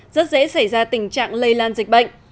rất dễ xảy ra tình trạng lây lan dịch bệnh